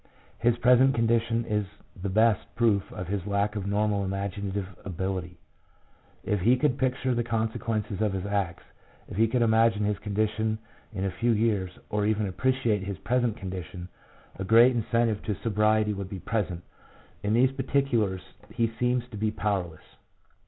His present condition is the best proof of his lack of normal imaginative ability. If he could picture the consequences of his acts, if he could imagine his condition in a few years, or even appreciate his present condition, a great incentive to sobriety would be present ; in these particulars he seems to be powerless.